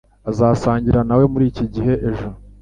Azasangira na we muri iki gihe ejo.